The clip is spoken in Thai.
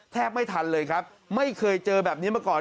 แทบไม่ทันเลยครับไม่เคยเจอแบบนี้มาก่อน